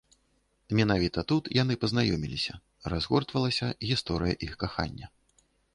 Менавіта тут яны пазнаёміліся, разгортвалася гісторыя іх кахання.